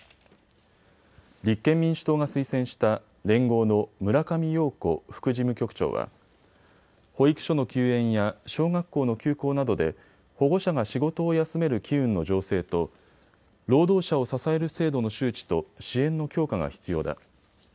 立憲民主党が推薦した連合の村上陽子副事務局長は保育所の休園や小学校の休校などで保護者が仕事を休める機運の醸成と労働者を支える制度の周知と支援の強化が必要だ。